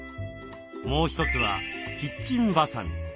もう一つはキッチンばさみ。